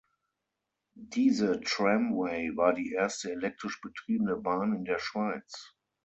Diese Tramway war die erste elektrisch betriebene Bahn in der Schweiz.